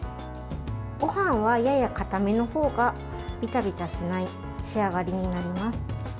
ごはんは、ややかための方がべちゃべちゃしない仕上がりになります。